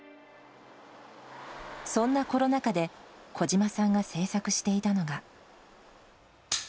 そんなコロナ禍で、小島さんが制作していたのが。